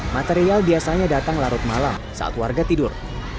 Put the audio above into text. material biasanya datang larut malam saat warga tidur